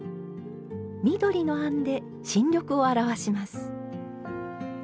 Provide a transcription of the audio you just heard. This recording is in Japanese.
緑の餡で新緑を表します。